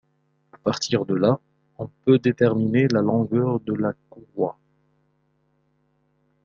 À partir de là, on peut déterminer la longueur de la courroie.